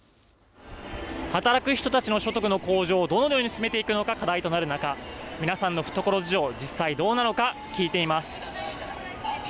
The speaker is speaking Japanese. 働く人たちの所得の向上をどのように進めていくのか課題となる中、皆さんの懐事情、実際どうなのか聞いてみます。